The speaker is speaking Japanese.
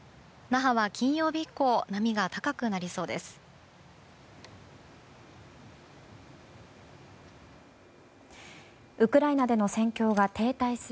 那覇は金曜日以降波が高くなりそうです。